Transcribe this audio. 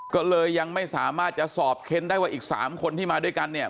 ก็เลยยังไม่สามารถจะสอบเค้นได้ว่าอีก๓คนที่มาด้วยกันเนี่ย